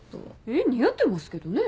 えっ似合ってますけどね。